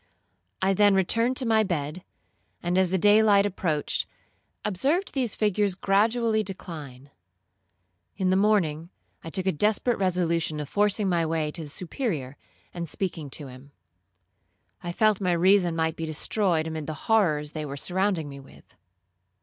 I then returned to my bed, and as the day light approached, observed these figures gradually decline. In the morning, I took a desperate resolution of forcing my way to the Superior, and speaking to him. I felt my reason might be destroyed amid the horrors they were surrounding me with.